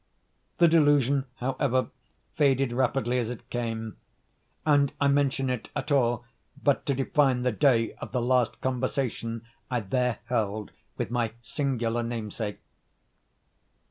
The delusion, however, faded rapidly as it came; and I mention it at all but to define the day of the last conversation I there held with my singular namesake.